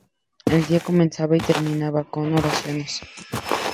El día comenzaba y terminaba con oraciones.